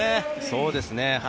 そうですね。